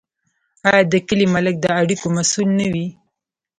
آیا د کلي ملک د اړیکو مسوول نه وي؟